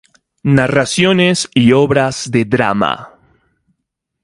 Narraciones y obras de drama.